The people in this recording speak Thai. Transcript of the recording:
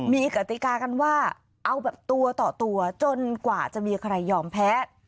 มีกติกากันว่าเอาแบบตัวต่อตัวจนกว่าจะมีใครยอมแพ้